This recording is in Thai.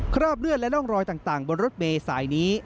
คราบเลือดและร่องรอยต่างบนรถเมย์สายนี้